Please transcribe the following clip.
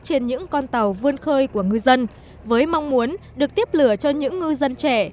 trên những con tàu vươn khơi của ngư dân với mong muốn được tiếp lửa cho những ngư dân trẻ